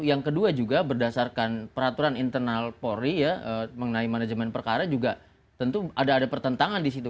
yang kedua juga berdasarkan peraturan internal polri ya mengenai manajemen perkara juga tentu ada pertentangan di situ